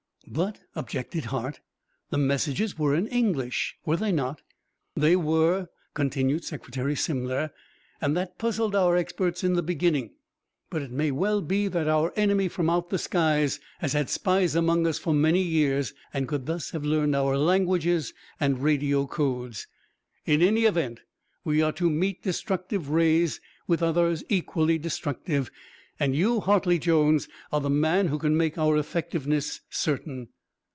"But," objected Hart, "the messages were in English, were they not?" "They were," continued Secretary Simler, "and that puzzled our experts in the beginning. But, it may well be that our enemy from out the skies has had spies among us for many years and could thus have learned our languages and radio codes. In any event, we are to meet destructive rays with others equally destructive, and you, Hartley Jones, are the man who can make our effectiveness certain."